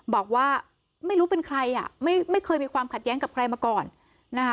บอกว่าไม่รู้เป็นใครอ่ะไม่เคยมีความขัดแย้งกับใครมาก่อนนะคะ